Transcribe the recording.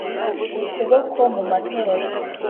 ukuboko mu matora